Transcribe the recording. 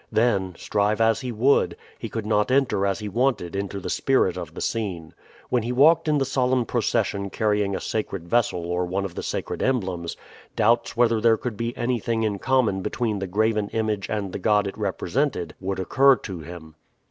Then, strive as he would, he could not enter as he wanted into the spirit of the scene. When he walked in the solemn procession carrying a sacred vessel or one of the sacred emblems, doubts whether there could be anything in common between the graven image and the god it represented would occur to him.